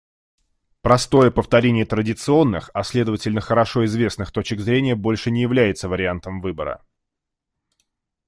Простое повторение традиционных — а следовательно хорошо известных — точек зрения больше не является вариантом выбора.